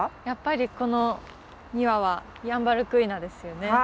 やっぱりこの２羽はヤンバルクイナですよね。